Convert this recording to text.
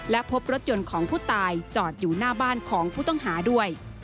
และพบรถยนต์ของผู้ตายจอดอยู่หน้าบ้านของผู้ต้องหาด้วย